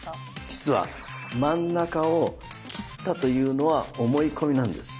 実は真ん中を切ったというのは思い込みなんです。